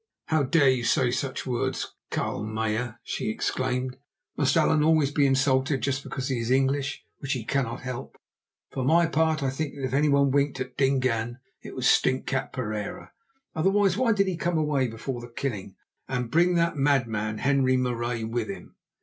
"How dare you say such words, Carl Meyer?" she exclaimed. "Must Allan always be insulted just because he is English, which he cannot help? For my part, I think that if anyone winked at Dingaan it was the stinkcat Pereira. Otherwise why did he come away before the killing and bring that madman, Henri Marais, with him?"